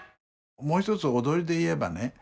もう一つ踊りで言えばね